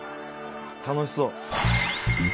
楽しそう。